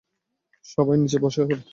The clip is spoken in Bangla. সবাই নিচে বসে পড়ো।